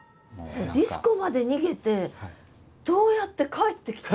ディスコまで逃げてどうやって帰ってきたの？